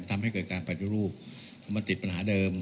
ทำให้เกิดการปฏิรูปมันติดปัญหาเดิม